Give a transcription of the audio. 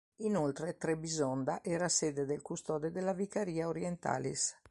Inoltre Trebisonda era sede del Custode della "vicaria Orientalis".